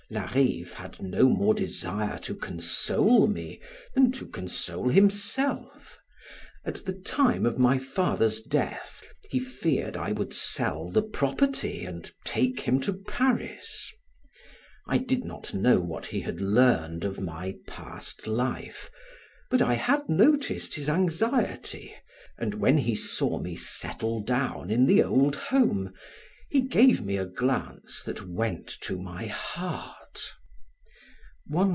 Larive had no more desire to console me than to console himself. At the time of my father's death he feared I would sell the property and take him to Paris. I did not know what he had learned of my past life, but I had noticed his anxiety, and, when he saw me settle down in the old home, he gave me a glance that went to my heart.